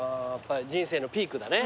人生のピークだね。